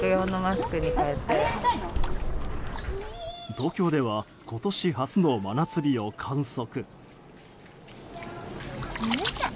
東京では今年初の真夏日を観測。